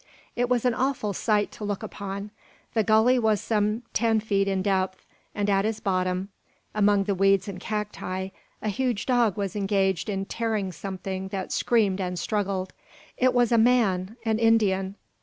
It was an awful sight to look upon. The gully was some ten feet in depth; and at its bottom, among the weeds and cacti, a huge dog was engaged in tearing something that screamed and struggled. It was a man, an Indian.